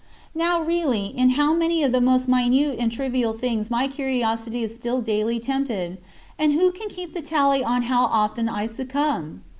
57. Now, really, in how many of the most minute and trivial things my curiosity is still daily tempted, and who can keep the tally on how often I succumb?